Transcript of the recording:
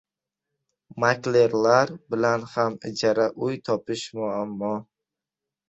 Maklerlar bilan ham ijara uy topish muammo.